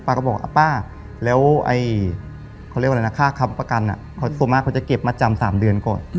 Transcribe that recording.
ป้าก็บอกป้าแล้วค่าคับประกันส่วนมากเขาจะเก็บมาจำ๓เดือนก่อน